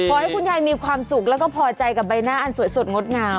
ขอให้คุณยายมีความสุขแล้วก็พอใจกับใบหน้าอันสวยสดงดงาม